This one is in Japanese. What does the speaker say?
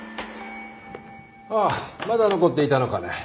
ああまだ残っていたのかね。